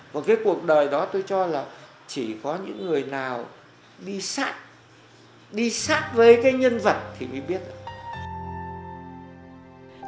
và cái cuộc đời đó tôi cho là chỉ có những người nào đi sát đi sát với cái nhân vật thì mới biết được